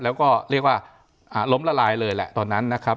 แล้วก็เรียกว่าล้มละลายเลยแหละตอนนั้นนะครับ